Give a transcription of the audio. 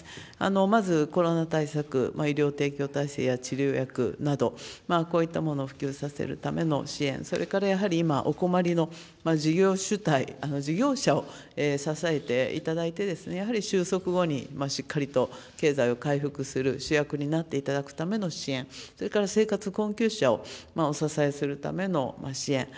まずコロナ対策、医療提供体制や治療薬など、こういったものを普及させるための支援、それからやはり今、お困りの事業主体、事業者を支えていただいて、やはり収束後にしっかりと経済を回復する主役になっていただくための支援、それから生活困窮者をお支えするための支援。